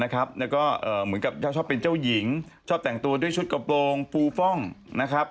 แล้วก็เหมือนกับชอบเป็นเจ้าหญิงชอบแต่งตัวด้วยชุดกระโปรงฟูฟ่องนะครับ